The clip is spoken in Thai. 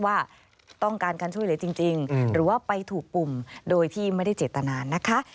ว่าต้องการการช่วยเหลือจริงหรือว่าไปถูกปุ่มโดยที่ไม่ได้เจตนานะคะ